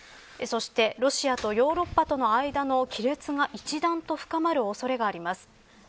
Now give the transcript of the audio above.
そしてロシアとヨーロッパとの間の亀裂が一段と深まる恐れがあります。